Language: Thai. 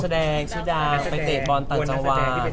แสดงชื่อดังไปเตะบอลต่างจังหวัด